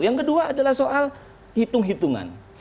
yang kedua adalah soal hitung hitungan